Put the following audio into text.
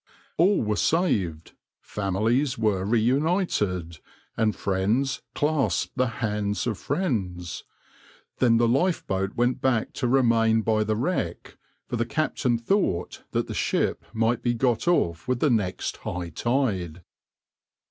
All were saved families were reunited, and friends clasped the hands of friends. Then the lifeboat went back to remain by the wreck, for the captain thought that the ship might be got off with the next high tide.